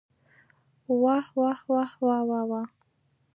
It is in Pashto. واه واه واه واوا واوا.